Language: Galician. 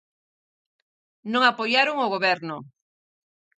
Non apoiaron o Goberno.